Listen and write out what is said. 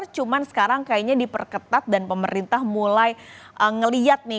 cuma sekarang kayaknya diperketat dan pemerintah mulai ngelihat nih